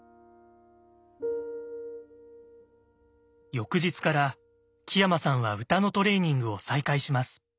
翌日から木山さんは歌のトレーニングを再開します。